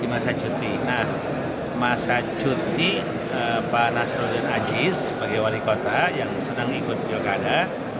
masa cuti pak nasruddin aziz sebagai wali kota yang sedang ikut pilkada